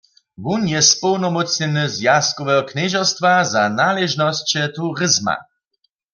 Wón je społnomócnjeny zwjazkoweho knježerstwa za naležnosće turizma.